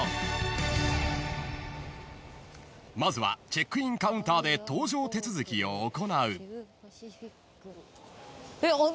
［まずはチェックインカウンターで搭乗手続きを行う］